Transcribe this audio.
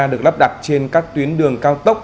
được lắp đặt trên các tuyến đường cao tốc